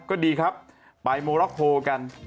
ก็ดีครับไปโลกโซเชียลกัน